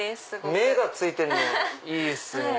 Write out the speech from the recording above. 目がついてるのがいいっすね。